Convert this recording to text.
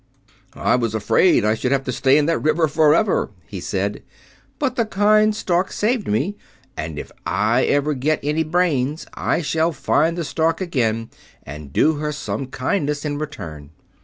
"I was afraid I should have to stay in the river forever," he said, "but the kind Stork saved me, and if I ever get any brains I shall find the Stork again and do her some kindness in return."